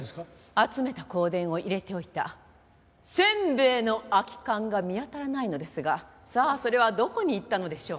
集めた香典を入れておいたせんべいの空き缶が見当たらないのですがさあそれはどこにいったのでしょう？